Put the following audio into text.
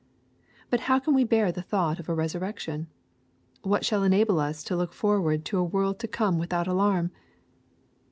But how can we bear the thought of a resurrection ? What shall enable us to look forward to a world to come without alarm